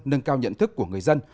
nâng cao nhận thức của người dân